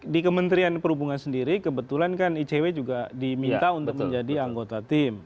di kementerian perhubungan sendiri kebetulan kan icw juga diminta untuk menjadi anggota tim